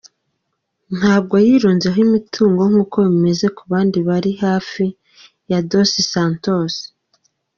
Ntabwo yirunzeho imutungo nk’uko bimeze ku bandi bari hafi ya Dos Santos.